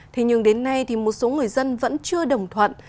thế nhưng đến nay một số người dân vẫn chưa đồng ý